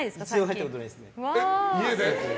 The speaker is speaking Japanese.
入ったことないですね。